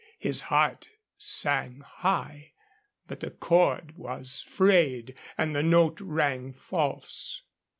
His heart sang high; but the cord was frayed, and the note rang false.